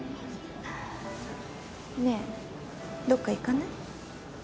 ねえどっか行かない？